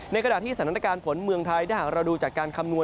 ในขณะที่สถานการณ์ฝนเมืองไทยถ้าหากเราดูจากการคำนวณ